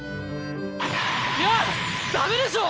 いやダメでしょ！